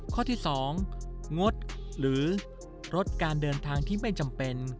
ข้อที่๒งดหรือลดการเดินทางที่ไม่จำเป็น